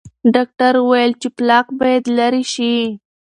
ډاکټر وویل چې پلاک باید لرې شي.